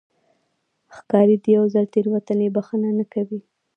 ښکاري د یو ځل تېروتنې بښنه نه کوي.